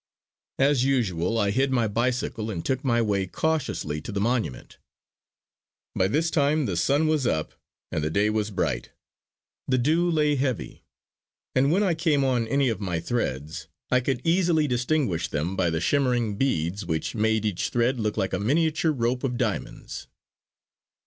As usual I hid my bicycle and took my way cautiously to the monument. By this time the sun was up and the day was bright; the dew lay heavy, and when I came on any of my threads I could easily distinguish them by the shimmering beads which made each thread look like a miniature rope of diamonds.